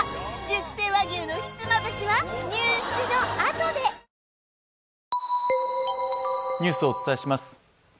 熟成和牛のひつまぶしはニュースのあとでニュースをお伝えします